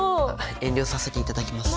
遠慮させていただきます。